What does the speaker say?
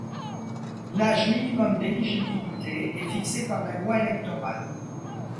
L'âge minimum d'éligibilité est fixé par la loi électorale.